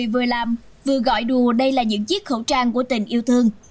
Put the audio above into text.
vừa làm vừa gọi đùa đây là những chiếc khẩu trang của tình yêu thương